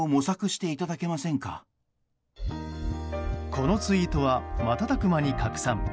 このツイートは瞬く間に拡散。